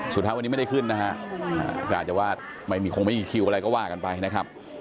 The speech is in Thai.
สุดท้ายวันนี้ไม่ได้ขึ้นนะฮะก็อาจจะว่าไม่มีคงไม่มีคิวอะไรก็ว่ากันไปนะครับ